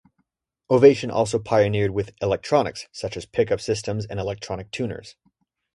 Ovation also pioneered with electronics, such as pickup systems and electronic tuners.